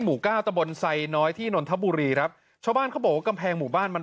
หมู่เก้าตะบนไซน้อยที่นนทบุรีครับชาวบ้านเขาบอกว่ากำแพงหมู่บ้านมัน